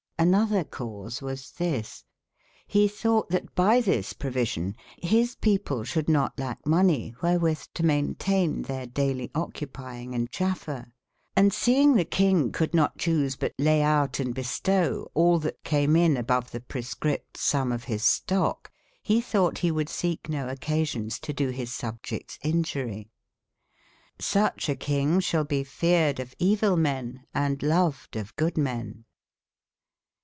Hn other cause was this. Re thought that by this provision, his peo ple shoulde not lacke money wherewith tomayneteynetheirdaylyoccupiengand chaff ayre. Hnd seynge the kynge could not chewse but laye out and bestowe al that came in above the prescript some of his stocke, he thought he wouldesekeno occasions to doe his subjectes injurie. Sucheakyngeshalbefearedof evelmen, and loved of good men.